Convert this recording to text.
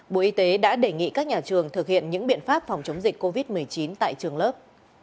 bộ y tế đã đề nghị các nhà trường thực hiện những biện pháp phòng chống dịch covid một mươi chín tại trường lớp